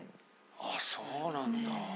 あっそうなんだ。